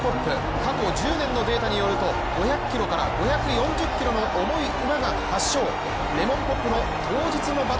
過去１０年のデータによると５００ｋｇから５４０ｋｇの重い馬が８勝。